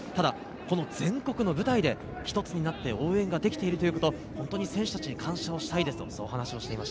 全国の舞台で一つになって応援ができているということ、本当に選手たちに感謝をしたいですと話をしています。